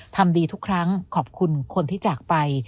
ทำดีทุกครั้งขอบคุณคนที่จากไป